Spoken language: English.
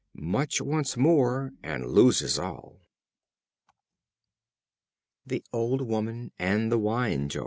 Much wants more, and loses all. The Old Woman and the Wine Jar.